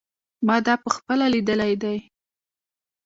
ما دا په خپله لیدلی دی.